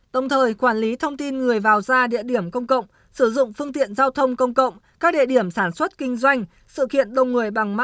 đồng thời quản lý thông tin người vào ra địa điểm công cộng